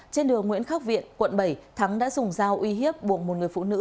trên đường nguyễn khắc viện quận bảy thắng đã dùng dao uy hiếp buộc một người phụ nữ